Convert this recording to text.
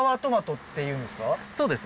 そうです。